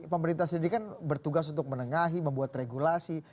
pemerintah sendiri kan bertugas untuk menengahi membuat regulasi